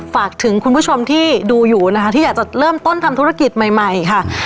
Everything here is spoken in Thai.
ฝากถึงคุณผู้ชมที่ดูอยู่นะคะที่อยากจะเริ่มต้นทำธุรกิจใหม่ค่ะ